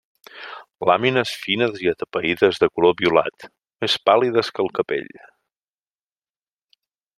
Làmines fines i atapeïdes de color violat, més pàl·lides que el capell.